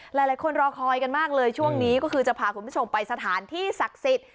หลายคนรอคอยกันมากเลยช่วงนี้ก็คือจะพาคุณผู้ชมไปสถานที่ศักดิ์สิทธิ์